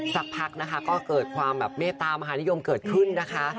สักพักนะคะก็เกิดความแบบเมตามหานิยมเกิดขึ้นนะคะ